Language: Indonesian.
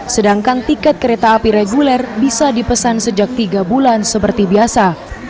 sedangkan tiket kereta api reguler bisa dipesan sejak tiga bulan seperti biasa